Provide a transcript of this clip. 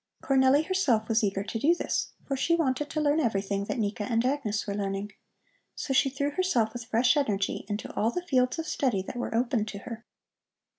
Cornelli herself was eager to do this, for she wanted to learn everything that Nika and Agnes were learning. So she threw herself with fresh energy into all the fields of study that were opened to her.